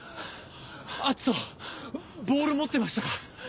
⁉篤斗ボール持ってましたか？